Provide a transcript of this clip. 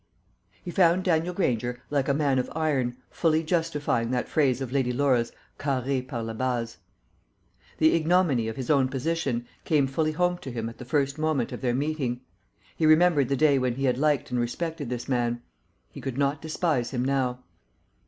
He found Daniel Granger like a man of iron, fully justifying that phrase of Lady Laura's "Carré par la base." The ignominy of his own position came fully home to him at the first moment of their meeting. He remembered the day when he had liked and respected this man: he could not despise him now.